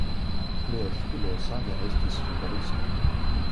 Lia filo same estis futbalisto.